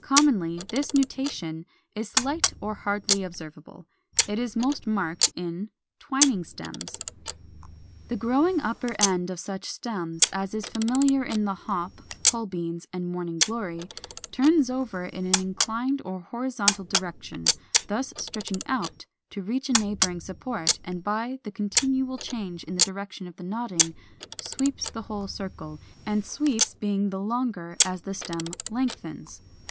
Commonly this nutation is slight or hardly observable. It is most marked in 468. =Twining Stems= (Fig. 90). The growing upper end of such stems, as is familiar in the Hop, Pole Beans, and Morning Glory, turns over in an inclined or horizontal direction, thus stretching out to reach a neighboring support, and by the continual change in the direction of the nodding, sweeps the whole circle, the sweeps being the longer as the stem lengthens.